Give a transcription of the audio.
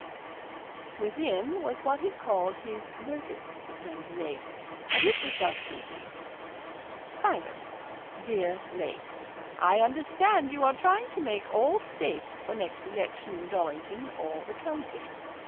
W.' Within was what he called his 'notice' to Stanley Lake, and it was thus conceived: 'Private. 'DEAR LAKE I understand you are trying to make all safe for next election in Dollington or the county.